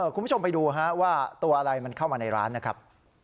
คุณผู้ชมไปดูว่าตัวอะไรมันเข้ามาในร้านนะครับ